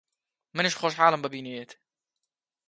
منیش خۆشحاڵم بە بینینت.